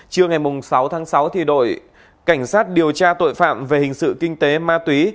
trưa ngày sáu tháng sáu đội cảnh sát điều tra tội phạm về hình sự kinh tế ma túy